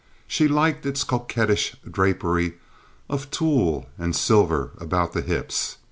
She liked its coquettish drapery of tulle and silver about the hips.